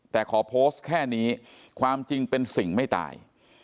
แต่ขอโพสต์แค่นี้ความจริงเป็นสิ่งไม่ตาย